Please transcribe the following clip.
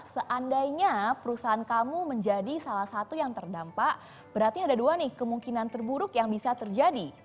seandainya perusahaan kamu menjadi salah satu yang terdampak berarti ada dua nih kemungkinan terburuk yang bisa terjadi